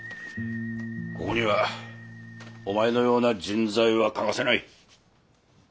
ここにはお前のような人材は欠かせない。